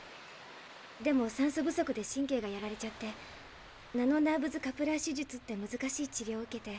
でも酸素不足で神経がやられちゃって「ナノ・ナーブズ・カプラー手術」ってむずかしい治療を受けて。